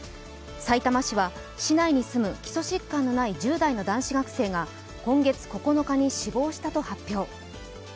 さいたま市は市内に住む基礎疾患のない１０代の男子学生が今月９日に死亡したと発表。